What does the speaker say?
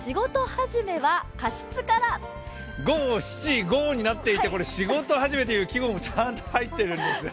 五七五になっていて、仕事始めという季語もちゃんと入っているんです。